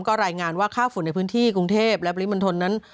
ก็รายงานว่าค่าฝุ่นในพื้นที่กรุงเทพและปริมณฑลนั้น